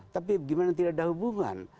tapi gimana tidak ada hubungan